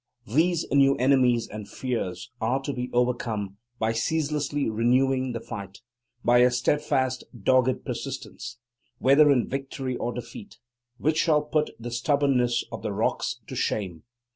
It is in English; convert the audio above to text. These new enemies and fears are to be overcome by ceaselessly renewing the fight, by a steadfast, dogged persistence, whether in victory or defeat, which shall put the stubbornness of the rocks to shame.